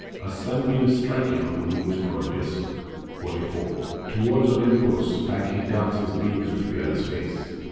As sunbeam striking on the moon's broad disk. 44. Toward Olympos back he darts his beams, With fearless face.